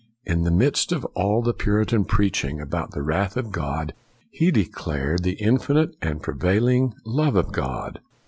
In the midst of all the Puritan preaching about the wrath of God, he declared the infinite and prevailing love of God.